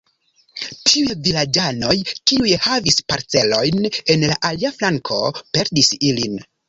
Tiuj vilaĝanoj, kiuj havis parcelojn en la alia flanko, perdis ilin.